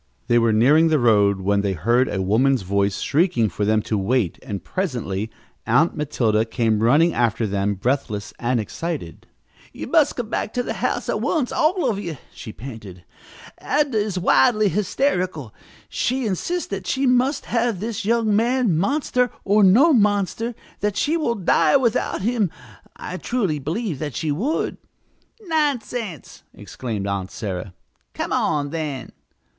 They were nearing the road when they heard a woman's voice shrieking for them to wait, and presently Aunt Matilda came running after them, breathless and excited. "You must come back to the house at once, all of you," she panted. "Adnah is wildly hysterical. She insists that she must have this young man, monster or no monster that she will die without him. I truly believe that she would!" "Nonsense!" exclaimed Aunt Sarah. "Come on, then!"